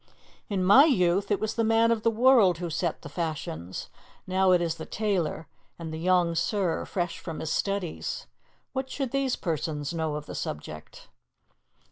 "In my youth it was the man of the world who set the fashions; now it is the tailor and the young sir fresh from his studies. What should these persons know of the subject?"